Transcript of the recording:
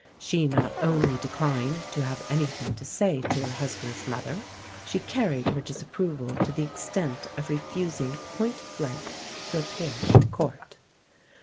She not only declined to have anything to say to her husband's mother, she carried her disapproval to the extent of refusing point blank to appear at Court.